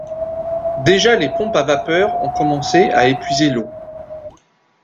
Déjà les pompes à vapeur ont commencé à épuiser l’eau.